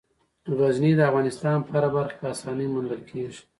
غزني د افغانستان په هره برخه کې په اسانۍ موندل کېږي.